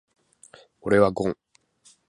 俺はゴン。